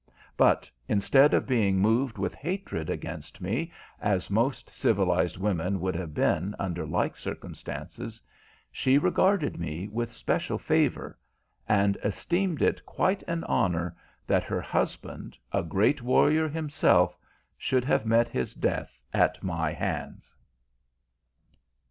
But instead of being moved with hatred against me, as most civilized women would have been under like circumstances, she regarded me with special favor, and esteemed it quite an honor that her husband, a great warrior himself, should have met his death at my hands.